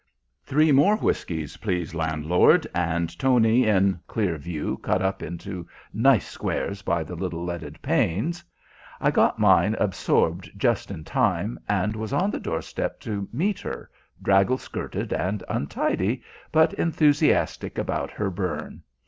"Three more whiskies, please landlord," and Tony in clear view cut up into nice squares by the little leaded panes. I got mine absorbed just in time, and was on the doorstep to meet her, draggle skirted and untidy, but enthusiastic about her "burn."